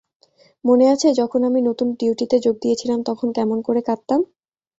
মনে আছে, যখন আমি নতুন ডিউটিতে যোগ দিয়েছিলাম তখন কেমন করে কাঁদতাম?